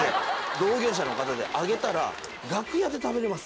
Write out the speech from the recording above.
同業者の方であげたら楽屋で食べれます。